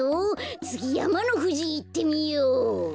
つぎやまのふじいってみよう。